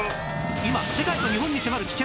今世界と日本に迫る危険！